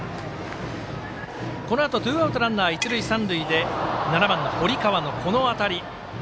このあとツーアウト、一塁、三塁で７番の堀川のこの当たり。